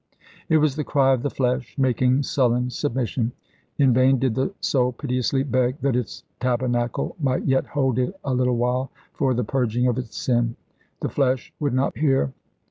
It was the cry of the flesh making sullen submission. In vain did the soul piteously beg that its tabernacle might yet hold it a little while, for the purging of its sin. The flesh would not hear.